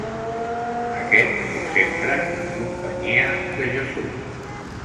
Aquest viu sempre en companyia de Jesús.